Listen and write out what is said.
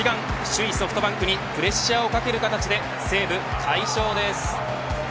首位ソフトバンクにプレッシャーをかける形で西武、快勝です。